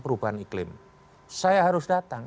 perubahan iklim saya harus datang